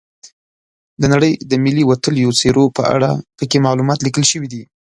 د نړۍ د ملي وتلیو څیرو په اړه پکې معلومات لیکل شوي دي.